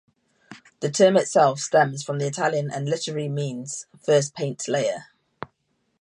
The term itself stems from the Italian and literally means "first paint layer".